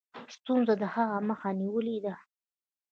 ستونزو د هغه مخه نیولې ده.